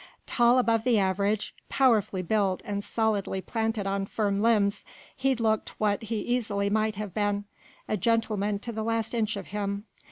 Tall above the average, powerfully built and solidly planted on firm limbs he looked what he easily might have been, a gentleman to the last inch of him.